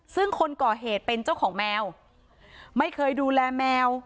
ซึ่งคนก่อเหตุเป็นเจ้าของแมวไม่เคยดูแลแมว